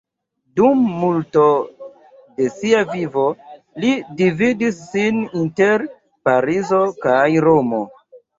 Dum multo de sia vivo li dividis sin inter Parizo kaj Romo.